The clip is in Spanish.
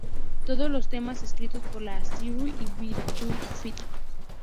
Todos los temas escritos por Ian Astbury y Billy Duffy